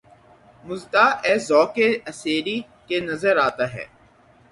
مُژدہ ، اے ذَوقِ اسیری! کہ نظر آتا ہے